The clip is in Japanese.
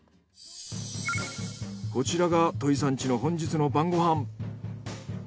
こちらが戸井さん家の本日の晩ご飯。